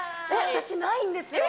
私、ないんですよ。